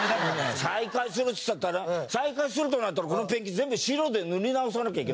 「再開するっつったってあれは再開するとなったらこのペンキ全部白で塗り直さなきゃいけない」。